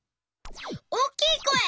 おおきいこえ！